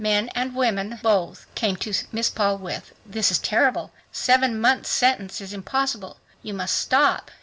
Men and women, both, came to Miss Paul with, "This is terrible! Seven months' sentence is impossible. You must stop!